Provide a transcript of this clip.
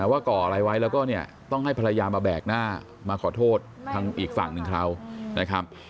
ก่ออะไรไว้แล้วก็เนี่ยต้องให้ภรรยามาแบกหน้ามาขอโทษทางอีกฝั่งหนึ่งเขานะครับ